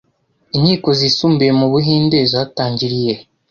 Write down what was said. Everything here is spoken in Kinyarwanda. Inkiko Zisumbuye mu Buhinde zatangiriye he